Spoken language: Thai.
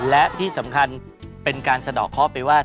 และที่สำคัญเป็นการสะดอกเคราะห์ไปว่า